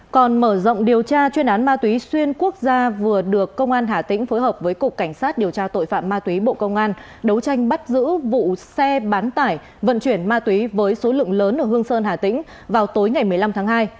còn mở rộng điều tra chuyên án ma túy xuyên quốc gia vừa được công an hà tĩnh phối hợp với cục cảnh sát điều tra tội phạm ma túy bộ công an đấu tranh bắt giữ vụ xe bán tải vận chuyển ma túy với số lượng lớn ở hương sơn hà tĩnh vào tối ngày một mươi năm tháng hai